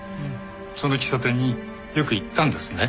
その喫茶店によく行ったんですね？